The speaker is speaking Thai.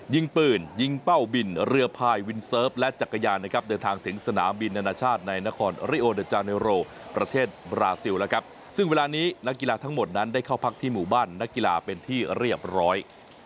ยิงปืนยิงเป้าบินเรือพายวินเซิร์ฟและจักรยานนะครับเดินทางถึงสนามบินนานาชาติในนครริโอเดอร์จาเนโรประเทศบราซิลแล้วครับซึ่งเวลานี้นักกีฬาทั้งหมดนั้นได้เข้าพักที่หมู่บ้านนักกีฬาเป็นที่เรียบร้อย